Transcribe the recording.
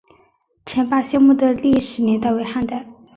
陈霸先墓的历史年代为汉代。